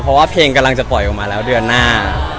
เพราะว่าเพลงกำลังจะปล่อยออกมาแล้วเดือนหน้า